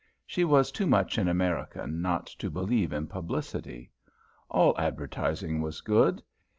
She was too much an American not to believe in publicity. All advertising was good.